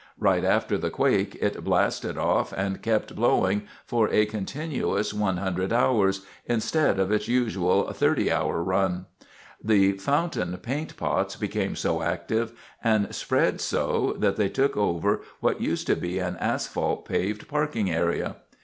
Right after the quake it blasted off and kept blowing for a continuous 100 hours, instead of its usual 30 hour run. The Fountain Paint Pots became so active, and spread so, that they took over what used to be an asphalt paved parking area.